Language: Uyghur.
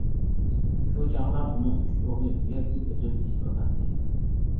شۇ چاغدا ئۇنىڭ ئۈچ ئوغلى ئۇ يەردىن ئۆتۈپ كېتىۋاتاتتى.